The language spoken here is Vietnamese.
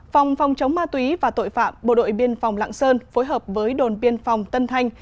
phòng phòng chống ma túy và tội phạm bộ đội biên phòng lạng sơn phối hợp với đồn biên phòng tân thanh